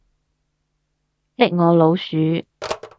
識我老鼠